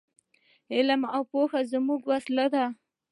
علم او پوهه زموږ وسلې دي.